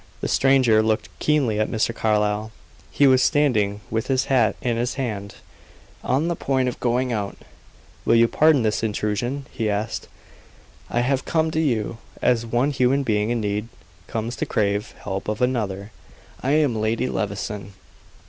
The stranger looked keenly at Mr. Carlyle. He was standing with his hat in his hand, on the point of going out. "Will you pardon this intrusion?" she asked. "I have come to you as one human being in need comes to crave help of another. I am Lady Levison."